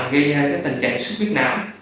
gây ra cái tình trạng sức viết não